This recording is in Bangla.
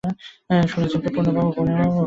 শুনছেন তো পূর্ণবাবু?